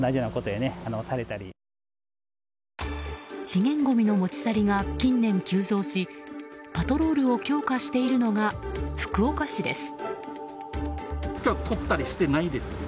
資源ごみの持ち去りが近年、急増しパトロールを強化しているのが福岡市です。